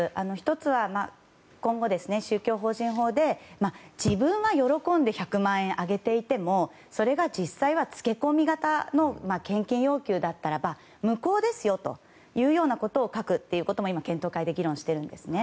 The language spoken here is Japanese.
１つは今後、宗教法人法で自分は喜んで１００万円あげていてもそれが実際はつけ込み型の献金要求だったらば無効ですよと書くということも今、検討会で議論しているんですね。